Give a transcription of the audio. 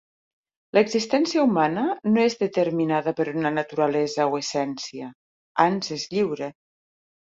L'existència humana no és determinada per una naturalesa o essència, ans és lliure.